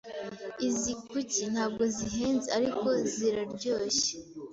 Izi kuki ntabwo zihenze, ariko ziraryoshye.